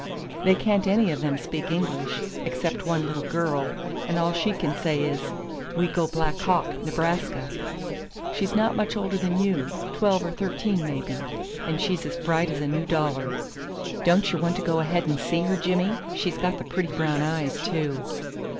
"They can't any of them speak English, except one little girl, and all she can say is 'We go Black Hawk, Nebraska.' She's not much older than you, twelve or thirteen, maybe, and she's as bright as a new dollar. Don't you want to go ahead and see her, Jimmy? She's got the pretty brown eyes, too!"